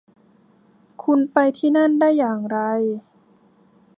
คุณไปที่นั่นได้อย่างไร